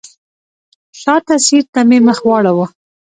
شاته سیټ ته مې مخ واړوه.